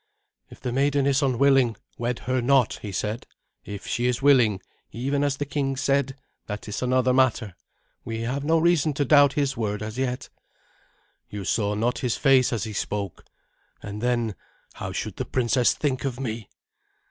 "If the maiden is unwilling, wed her not," he said. "If she is willing, even as the king said, that is another matter. We have no reason to doubt his word as yet." "You saw not his face as he spoke. And then, how should the princess think of me?"